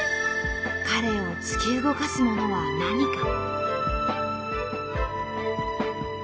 彼を突き動かすものは何か？